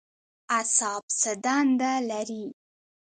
اعصاب څه دنده لري؟